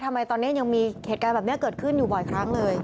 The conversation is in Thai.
ทำไมตอนนี้ยังมีเหตุการณ์แบบนี้เกิดขึ้นอยู่บ่อยครั้งเลย